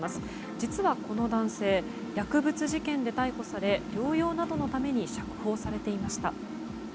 実は、この男性薬物事件で逮捕され療養などのために釈放されていました。